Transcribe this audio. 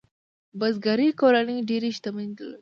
بزګري کورنۍ ډېرې شتمنۍ درلودې.